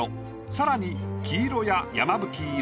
更に黄色や山吹色